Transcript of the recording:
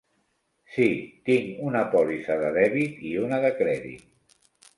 Sí, tinc una pòlissa de dèbit i una de crèdit.